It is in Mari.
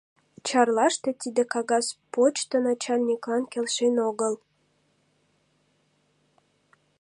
Чарлаште тиде кагаз почто начальниклан келшен огыл.